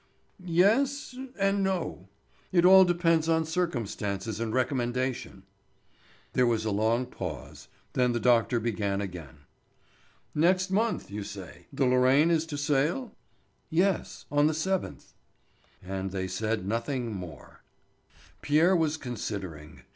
"Yes—and no. It all depends on circumstances and recommendation." There was a long pause; then the doctor began again. "Next month, you say, the Lorraine is to sail?" "Yes. On the 7th." And they said nothing more. Pierre was considering.